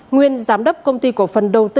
nguyên giám đốc công ty cổ phần đầu tư